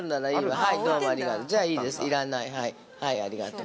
はい、ありがとう。